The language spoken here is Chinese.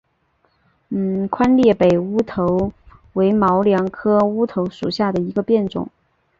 宽裂北乌头为毛茛科乌头属下的一个变种。